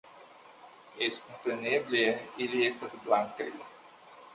- Jes, kompreneble, ili estas blankaj...